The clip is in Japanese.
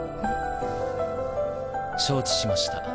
承知しました。